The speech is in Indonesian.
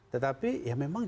tetapi ya memang